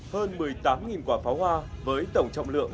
hơn một mươi tám quả pháo hoa với tổng trọng lượng